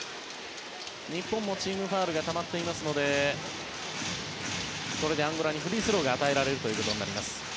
日本もチームファウルがたまっていますのでこれでアンゴラにフリースローが与えられます。